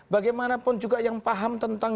bagaimanapun juga yang paham tentang